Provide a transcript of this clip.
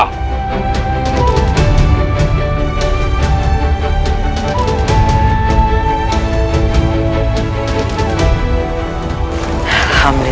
golongku sudah berjaya